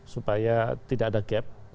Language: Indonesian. supaya tidak ada gap